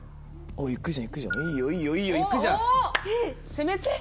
行くじゃん行くじゃんいいよいいよいいよ行くじゃん。